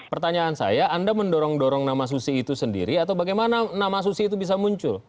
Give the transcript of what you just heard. pertanyaan saya anda mendorong dorong nama susi itu sendiri atau bagaimana nama susi itu bisa muncul